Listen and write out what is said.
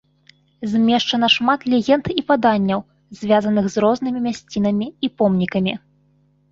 Змешчана шмат легенд і паданняў, звязаных з рознымі мясцінамі і помнікамі.